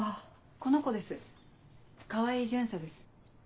この子です川合巡査です。